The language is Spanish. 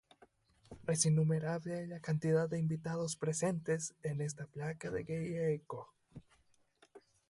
Es innumerable la cantidad de invitados presentes en esta placa de Gieco.